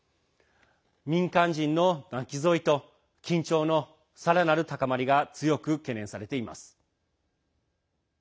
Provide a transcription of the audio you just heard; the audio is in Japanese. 民間人の巻き添えと緊張のさらなる高まりが強く懸念されています。